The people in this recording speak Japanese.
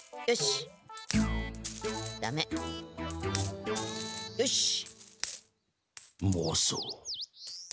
よし。